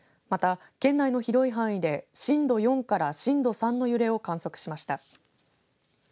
また、県内の広い範囲で震度４から震度３の揺れを観測しました。